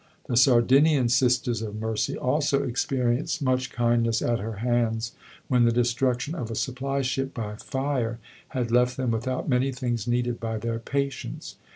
The Sardinian Sisters of Mercy also experienced much kindness at her hands when the destruction of a supply ship by fire had left them without many things needed by their patients.